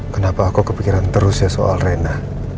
kenapa aku kepikiran terus ya soal rena